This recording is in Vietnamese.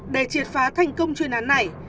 để triệt phá thành công chuyên án này